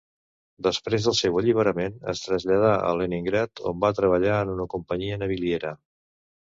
Després del seu alliberament, es traslladà a Leningrad on va treballar en una companyia naviliera.